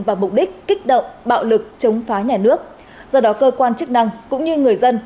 và mục đích kích động bạo lực chống phá nhà nước do đó cơ quan chức năng cũng như người dân